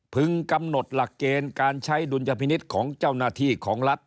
กำหนดหลักเกณฑ์การใช้ดุลยพินิษฐ์ของเจ้าหน้าที่ของรัฐ